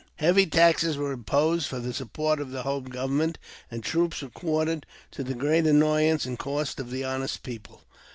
Heavy taxes were imposed for the support of the home government, and troops were quartered to the great annoyance and cost of the honest people.